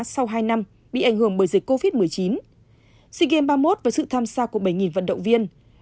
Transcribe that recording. sau hai năm bị ảnh hưởng bởi dịch covid một mươi chín sea games ba mươi một với sự tham gia của bảy vận động viên